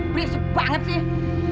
beres banget sih